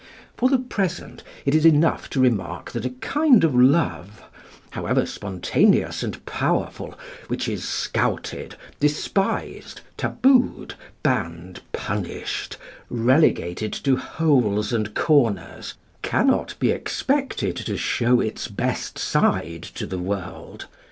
For the present it is enough to remark that a kind of love, however spontaneous and powerful, which is scouted, despised, tabooed, banned, punished, relegated to holes and corners, cannot be expected to show its best side to the world.